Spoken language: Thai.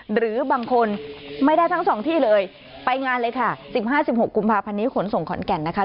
หรือบางคนไม่ได้ทั้งสองที่เลยไปงานเลยค่ะ๑๕๑๖กุมภาพันธ์นี้ขนส่งขอนแก่นนะคะ